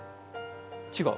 違う？